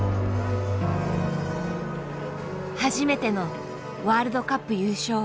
初めてのワールドカップ優勝。